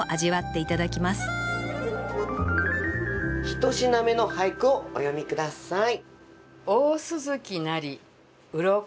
一品目の俳句をお読み下さい。